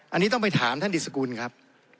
อันนี้ต้องไปถามท่านดิสกุลครับ